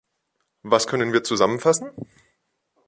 Was können wir zusammenfassen?